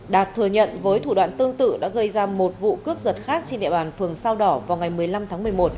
đạt thừa nhận với thủ đoạn tương tự đã gây ra một vụ cướp giật khác trên địa bàn phường sao đỏ vào ngày một mươi năm tháng một mươi một